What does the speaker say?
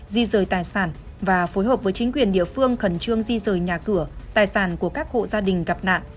di rời tài sản và phối hợp với chính quyền địa phương khẩn trương di rời nhà cửa tài sản của các hộ gia đình gặp nạn